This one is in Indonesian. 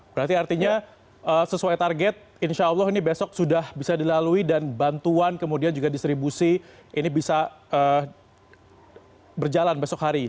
berarti artinya sesuai target insya allah ini besok sudah bisa dilalui dan bantuan kemudian juga distribusi ini bisa berjalan besok hari